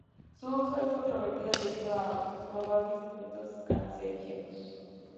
Su uso es controvertido debido a probables efectos cancerígenos.